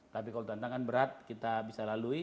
tapi kalau tantangan berat kita bisa lalui